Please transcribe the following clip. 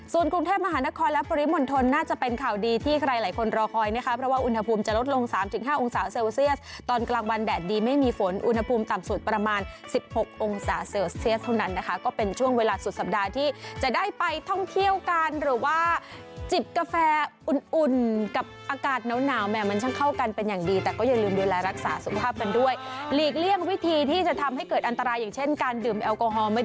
ส่วนกรุงเทพมหานครและปริมนทรน่าจะเป็นข่าวดีที่ใครหลายคนรอคอยนะคะเพราะว่าอุณหภูมิจะลดลง๓๕องศาเซลเซียสตอนกลางวันแดดดีไม่มีฝนอุณหภูมิต่ำสุดประมาณ๑๖องศาเซลเซียสเท่านั้นนะคะก็เป็นช่วงเวลาสุดสัปดาห์ที่จะได้ไปท่องเที่ยวกันหรือว่าจิบกาแฟอุ่นกับอากาศหนาวแหมม